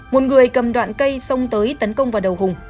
một người cầm đoạn cây xông tới tấn công vào đầu hùng